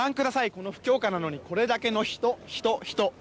この不況下なのにこれだけの人、人、人。